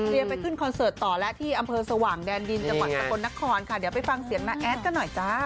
ไปขึ้นคอนเสิร์ตต่อแล้วที่อำเภอสว่างแดนดินจังหวัดสกลนครค่ะเดี๋ยวไปฟังเสียงน้าแอดกันหน่อยจ้า